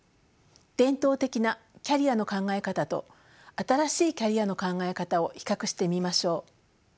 伝統的なキャリアの考え方と新しいキャリアの考え方を比較してみましょう。